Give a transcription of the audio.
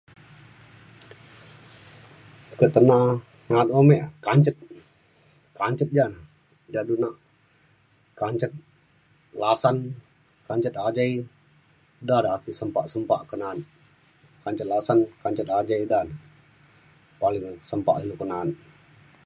ketena na’at ame kencet. kancet ja na ja du na kancet lasan kancet ajai da da tisen sempa sempa kenaan kancet lasan kancet ajai ida na paling sempa ilu ke na’at